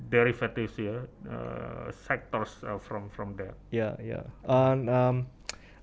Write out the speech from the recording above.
karena banyak sektor yang berkaitan dari sana